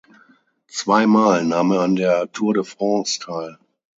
Zweimal nahm er an der Tour de France teil.